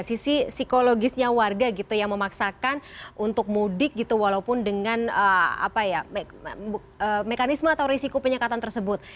sisi psikologisnya warga gitu yang memaksakan untuk mudik gitu walaupun dengan mekanisme atau risiko penyekatan tersebut